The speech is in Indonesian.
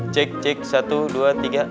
cik cik satu dua tiga